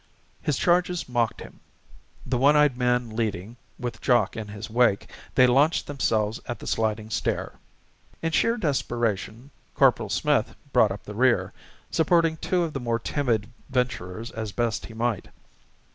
His charges mocked him. The one eyed man leading, with Jock in his wake, they launched themselves at the sliding stair. In sheer desperation Corporal Smith brought up the rear, supporting two of the more timid venturers as best he might.